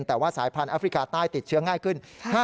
แต่ว่าสายพันธ์แอฟริกาใต้ติดเชื้อง่ายขึ้น